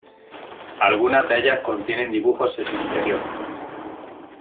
Algunas de ellas contienen dibujos en su interior.